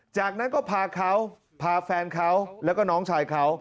จากนั้นก็พาเขาพาแฟนเขาแล้วก็น้องชายเขา